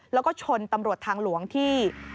แล้วก็ชนตำรวจทางหลวงที่